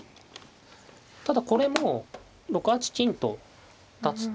ただこれも６八金と立つと。